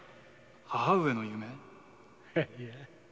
母上の夢を？